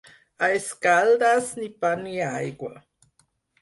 A Escaldes, ni pa ni aigua.